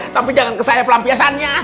tapi jangan kesaya pelampiyasannya